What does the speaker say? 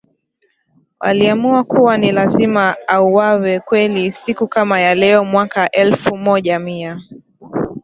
waliamua kuwa ni lazima auwawe Kweli siku kama ya leo mwaka elfu moja Mia